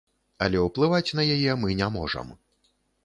Але ўплываць на яе мы не можам.